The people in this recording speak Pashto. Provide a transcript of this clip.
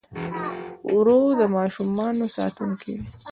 ورور د ماشومانو ساتونکی وي.